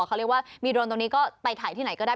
เขาเรียกว่ามีโรนตรงนี้ก็ไปถ่ายที่ไหนก็ได้